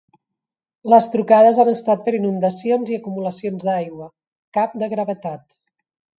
Les trucades han estat per inundacions i acumulacions d’aigua, cap de gravetat.